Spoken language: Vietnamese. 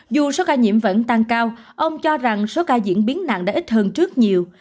dù số ca nhiễm vẫn tăng cao ông cho rằng số ca diễn biến nặng đã ít hơn trước nhiều